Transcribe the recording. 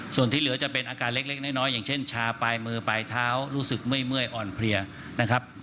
ส่วนที่เหลือจะเป็นอาการเล็กน้อยอย่างเช่นชาปลายมือปลายเท้ารู้สึกเมื่อยอ่อนเพลียนะครับ